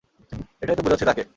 এটাইতো বুঝাচ্ছি তাকে।